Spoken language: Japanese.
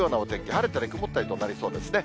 晴れたり曇ったりとなりそうですね。